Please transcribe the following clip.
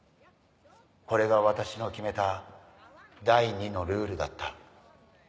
これが私の決めた第二のルールだった。